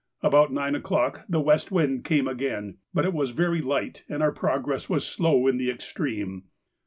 About nine o'clock the west wind came again, but it was very light, and our progress was slow in the extreme.